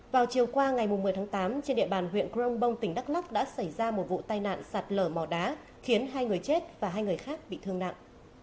vào chiều qua ngày một mươi tháng tám trên địa bàn huyện cronbong tỉnh đắk lắk đã xảy ra một vụ tai nạn sạch lở mỏ đá khiến hai người chết và hai người khác bị thương nặng